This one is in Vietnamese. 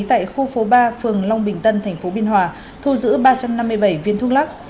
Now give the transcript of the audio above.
tại khu phố ba phường long bình tân tp biên hòa thu giữ ba trăm năm mươi bảy viên thuốc lắc